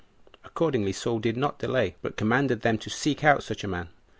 16 Accordingly Saul did not delay, but commanded them to seek out such a man.